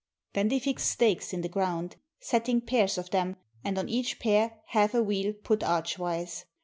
Then they fix stakes in the ground, setting pairs of them, and on each pair half a wheel put archwise.